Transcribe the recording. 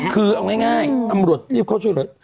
คือเอาง่ายอำรุษรีบเข้าช่วย